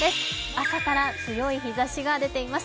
朝から強い日ざしが出ています。